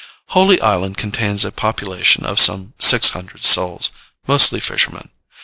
Holy Island contains a population of some 600 souls, mostly fishermen.